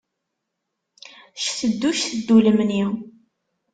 Cteddu, cteddu lemni.